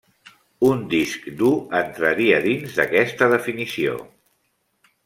Un disc dur entraria dins d'aquesta definició.